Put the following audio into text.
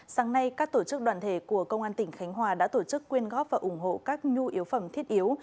sáng nay các tổ chức đoàn thể của công an tỉnh khánh hòa đã tổ chức quyên góp và ủng hộ các nhu yếu phẩm thiết yếu